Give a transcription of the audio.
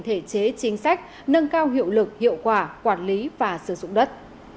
thể chế chính sách nâng cao hiệu lực hiệu quả quản lý và sử dụng đất